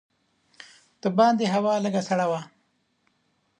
د باندې هوا لږه سړه وه.